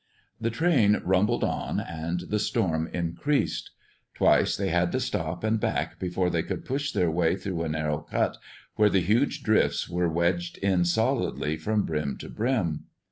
The train rumbled on, and the storm increased. Twice they had to stop and back before they could push their way through a narrow cut where the huge drifts were wedged in solidly from brim to brim.